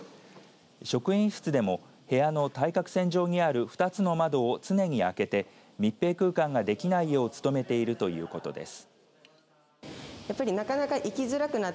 職員室でも部屋の対角線上にある２つの窓を常に開けて密閉空間ができないよう努めているということです。